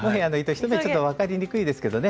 １目ちょっと分かりにくいですけどね